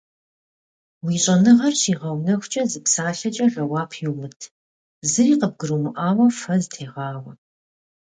Уи щӏэныгъэр щигъэунэхукӏэ, зы псалъэкӏэ жэуап иумыт, зыри къыбгурмыӏуауэ фэ зытегъауэ.